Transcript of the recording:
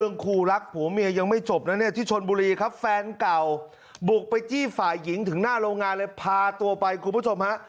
ครูรักผัวเมียยังไม่จบนะเนี่ยที่ชนบุรีครับแฟนเก่าบุกไปจี้ฝ่ายหญิงถึงหน้าโรงงานเลยพาตัวไปคุณผู้ชมฮะ